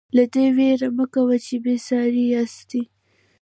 له دې وېرې مه کوئ چې بې ساري یاستئ.